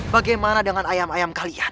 bagaimana dengan ayam ayam kalian